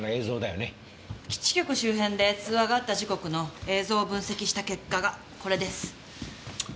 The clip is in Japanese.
基地局周辺で通話があった時刻の映像を分析した結果がこれです。